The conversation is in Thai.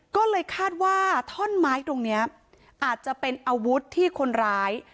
ก็เลยคาดว่าท่อนไม้ตรงนี้อาจจะเป็นอาวุธที่คนร้าย